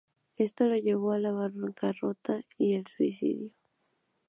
Esto lo llevó a la bancarrota y el suicidio.